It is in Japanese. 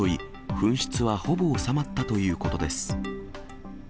噴出はほぼ収まったということです。